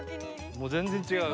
もう全然違う。